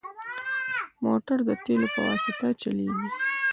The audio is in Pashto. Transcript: موټر د تیلو په واسطه چلېږي.